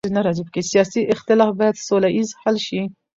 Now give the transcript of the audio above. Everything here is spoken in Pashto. سیاسي اختلاف باید سوله ییز حل شي